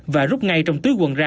và rút ngay trong túi quần ra